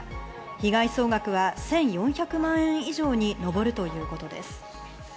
被害総額は１４００万円以上に上るということです。